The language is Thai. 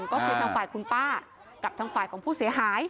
ก็คือทางฝ่ายคุณป้ากับทางฝ่ายของผู้เสียหาย